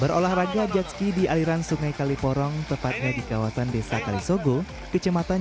berolahraga jet ski di aliran sungai kaliporong tepatnya di kawasan desa kalisogo kecematan